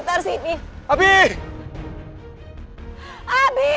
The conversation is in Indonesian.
tadi punya abi